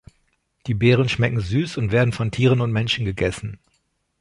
Die Beeren schmecken süß und werden von Tieren und Menschen gegessen.